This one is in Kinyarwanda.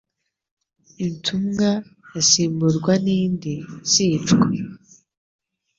Imtumwa yasimburwa n’indi, zicwa.